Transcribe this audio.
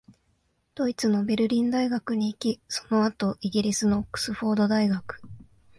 ドイツのベルリン大学に行き、その後、イギリスのオックスフォード大学、